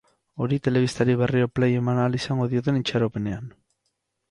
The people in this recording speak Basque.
Hori telebistari berriro play eman ahal izango dioten itxaropenean.